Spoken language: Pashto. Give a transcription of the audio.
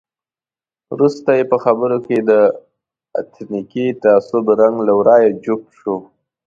وروسته یې په خبرو کې د اتنیکي تعصب رنګ له ورایه جوت شو.